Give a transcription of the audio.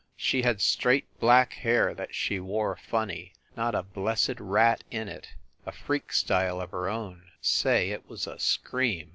She had straight black hair that she wore funny not a blessed rat in it a freak style of her own; say, it was a scream!